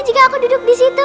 jika aku duduk disitu